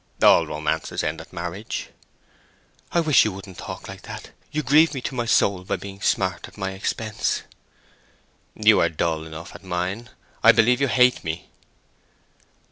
"All romances end at marriage." "I wish you wouldn't talk like that. You grieve me to my soul by being smart at my expense." "You are dull enough at mine. I believe you hate me."